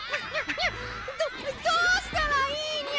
どどうしたらいいニャ！